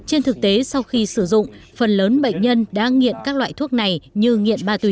trên thực tế sau khi sử dụng phần lớn bệnh nhân đã nghiện các loại thuốc này như nghiện ma túy